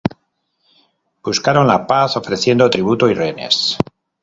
Buscaron la paz ofreciendo tributo y rehenes.